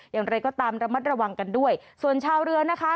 อย่างไรก็ตามระมัดระวังกันด้วยส่วนชาวเรือนะคะ